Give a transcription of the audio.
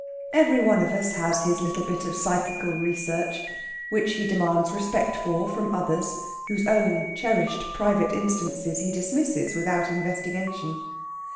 Every one of us has his little bit of Psychical Research, which he demands respect for from others, whose own cherished private instances he dismisses without investigation.